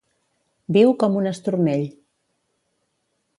Viu com un estornell.